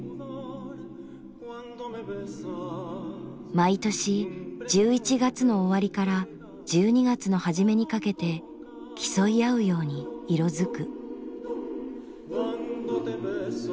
毎年１１月の終わりから１２月の初めにかけて競い合うように色づく。